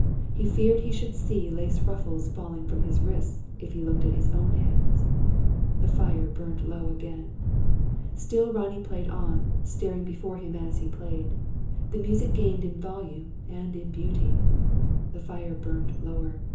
He feared he should see lace ruffles falling from his wrists, if he looked at his own hands. The fire burned low again. Still Ronnie played on, staring before him as he played. The music gained in volume and in beauty. The fire burned lower.